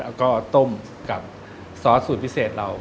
แล้วก็ต้มกับซอสสูตรพิเศษเรา